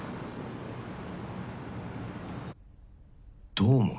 どう思う？